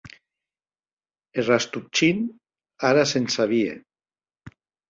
E Rastopchin ara se’n sabie.